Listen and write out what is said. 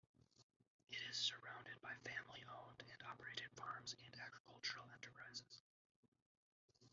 It is surrounded by family-owned and operated farms and agricultural enterprises.